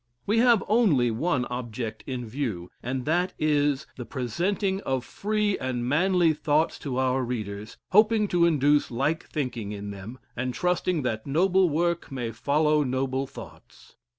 We have only one object in view, and that is, the presenting of free and manly thoughts to our readers, hoping to induce like thinking in them, and trust ing that noble work may follow noble thoughts.